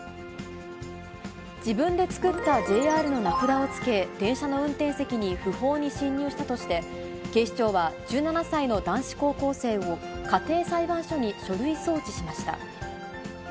自分で作ったＪＲの名札をつけ、電車の運転席に不法に侵入したとして、警視庁は１７歳の男子高校生を家庭裁判所に書類送致しました。